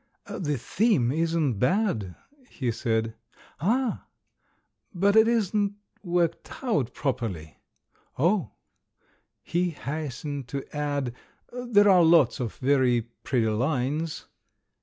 "The theme isn't bad," he said. "All !" "But it isn't worked out properly." "Oh!" He hastened to add, "There are lots of very pretty lines."